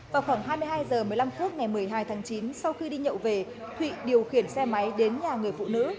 vào khoảng hai mươi hai h một mươi năm phút ngày một mươi hai tháng chín sau khi đi nhậu về thụy điều khiển xe máy đến nhà người phụ nữ